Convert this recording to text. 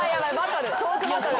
トークバトル。